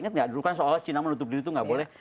ingat gak dulu kan soalnya cina menutup diri itu gak boleh